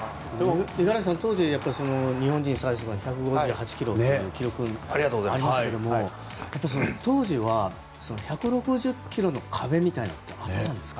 五十嵐さん、当時日本人最速というのがありましたが当時は１６０ｋｍの壁みたいなのあったんですか？